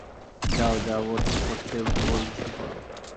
যাও, যা করতে বলছি কর।